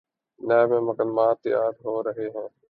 NAB میں مقدمات تیار ہو رہے ہیں۔